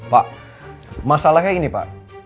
pak masalahnya ini pak